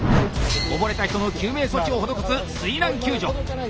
溺れた人の救命措置を施す水難救助。